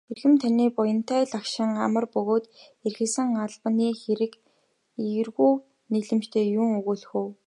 Эрхэм таны буянтай лагшин амар бөгөөд эрхэлсэн албаны хэрэг эергүү нийлэмжтэй юун өгүүлэх.